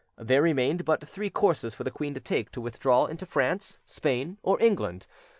There remained but three courses for the queen to take to withdraw into France, Spain or England.